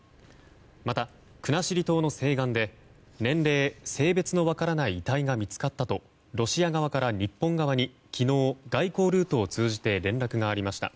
また、国後島の西岸で年齢、性別の分からない遺体が見つかったとロシア側から日本側に昨日外交ルートを通じて連絡がありました。